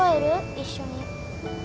一緒に。